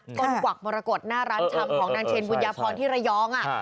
ต้นกวากปรากฏหน้าร้านชำของนางเชนบุญยภรณ์ที่ระยอง